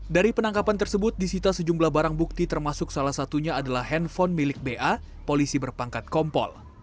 dari penangkapan tersebut disita sejumlah barang bukti termasuk salah satunya adalah handphone milik ba polisi berpangkat kompol